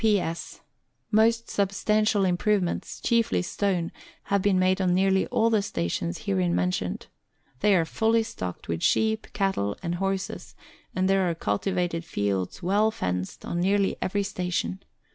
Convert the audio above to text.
P.S. Most substantial improvements, chiefly stone, have been made on nearly all the stations herein mentioned. They are fully stocked with sheep, cattle, and horses, and there are cultivated fields well fenced, on nearly every station.